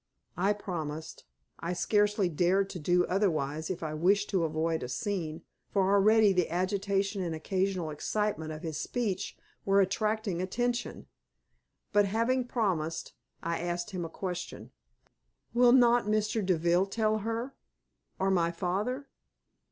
I promised. I scarcely dared do otherwise if I wished to avoid a scene, for already the agitation and occasional excitement of his speech were attracting attention. But, having promised, I asked him a question. "Will not Mr. Deville tell her or my father?"